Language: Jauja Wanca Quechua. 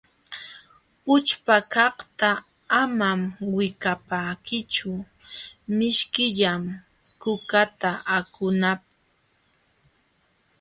Ućhpakaqta amam wikapankichu, mishkillam kukata akunapq.